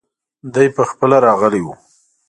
دی پخپله راغلی وو.